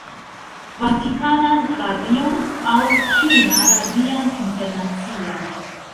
Vatikanan Radion aŭ Ĉina Radian Internacian